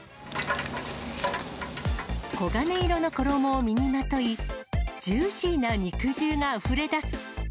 黄金色の衣を身にまとい、ジューシーな肉汁があふれ出す。